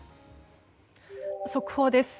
速報です。